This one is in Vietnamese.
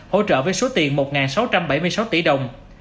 hỗ trợ với số tiền một sáu trăm bảy mươi sáu tỷ đồng